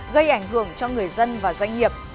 gây ảnh hưởng cho người dân và doanh nghiệp